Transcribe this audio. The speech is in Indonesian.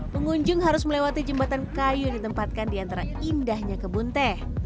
pengunjung harus melewati jembatan kayu ditempatkan di antara indahnya kebun teh